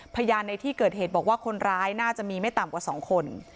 ในที่เกิดเหตุบอกว่าคนร้ายน่าจะมีไม่ต่ำกว่า๒คน